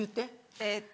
えっと。